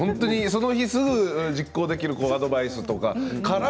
その日すぐに実行できるアドバイスとか。